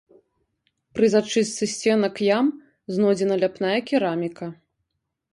Пры зачыстцы сценак ям знойдзена ляпная кераміка.